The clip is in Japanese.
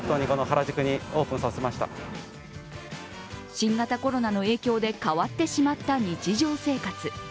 新型コロナの影響で変わってしまった日常生活。